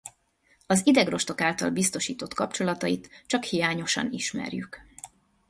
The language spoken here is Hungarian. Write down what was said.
Az idegrostok által biztosított kapcsolatait csak hiányosan ismerjük.